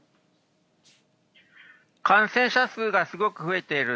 感染者数がすごく増えている。